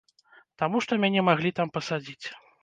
Таму што мяне маглі там пасадзіць.